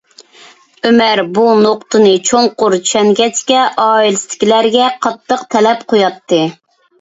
ئۆمەر بۇ نۇقتىنى چوڭقۇر چۈشەنگەچكە، ئائىلىسىدىكىلەرگە قاتتىق تەلەپ قوياتتى.